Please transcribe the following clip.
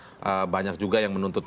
karena banyak juga yang menuntut